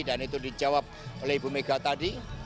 dan itu dijawab oleh ibu megawati tadi